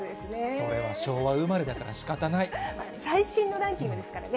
それは昭和生まれだからしか最新のランキングですからね。